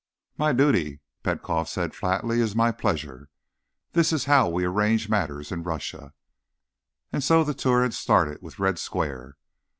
"My duty," Petkoff said flatly, "is my pleasure. That is how we arrange matters in Russia." And so the tour had started, with Red Square.